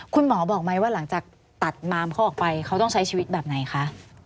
คุณหมอบอกไหมว่าหลังจากตัดมามเขาออกไปเขาต้องใช้ชีวิตแบบไหนคะ